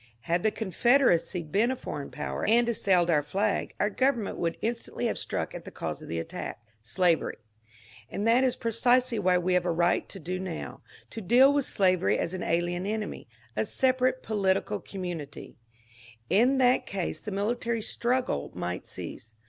Had the Confederacy been a foreign power and assailed our flag, our government would instantly have struck at the cause of the attack — slavery. And that is pre cisely what we have a right to do now, to deal with slavery as an alien enemy — a separate political conmiunity. In that 368 MONCURE DANIEL CONWAY case the military strnggle might cease.